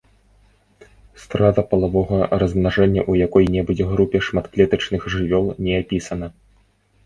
Страта палавога размнажэння ў якой-небудзь групе шматклетачных жывёл не апісана.